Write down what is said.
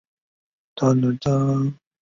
桑斯旁圣但尼人口变化图示